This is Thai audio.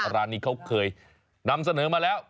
ร้านนี้เขาเคยนำเสนอมาแล้ว